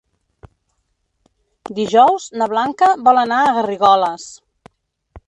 Dijous na Blanca vol anar a Garrigoles.